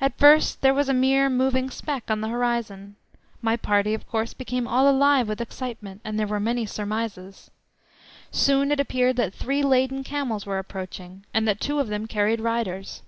At first there was a mere moving speck on the horizon. My party of course became all alive with excitement, and there were many surmises. Soon it appeared that three laden camels were approaching, and that two of them carried riders.